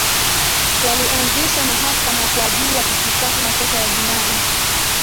walianzisha mahakama kwa ajili ya kushitaki makosa ya jinai